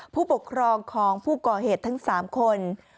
ผู้ปกครองของผู้ก่อเหตุทั้ง๓คน